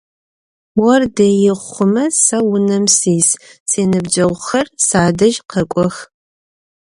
Ор дэи хъумэ сэ унэм сис, синыбджэгъухэр садэжь къэкӏох.